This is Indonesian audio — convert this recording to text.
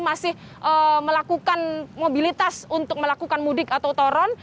masih melakukan mobilitas untuk melakukan mudik atau toron